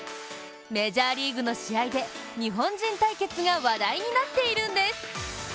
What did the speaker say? メジャーリーグの試合で日本人対決が話題になっているんです。